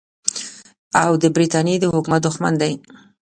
او د برټانیې د حکومت دښمن دی.